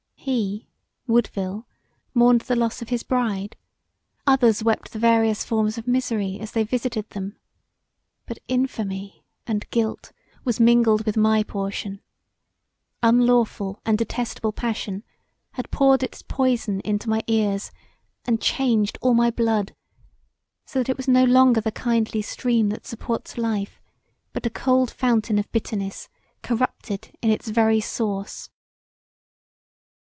He Woodville, mourned the loss of his bride: others wept the various forms of misery as they visited them: but infamy and guilt was mingled with my portion; unlawful and detestable passion had poured its poison into my ears and changed all my blood, so that it was no longer the kindly stream that supports life but a cold fountain of bitterness corrupted in its very source.